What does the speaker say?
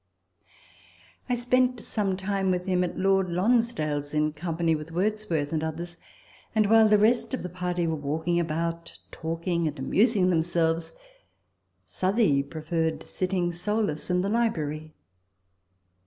I spent some time with him at Lord Lons dale's, in company with Wordsworth and others ; and while the rest of the party were walking about, talking, and amusing themselves, Southey preferred sitting solus in the library.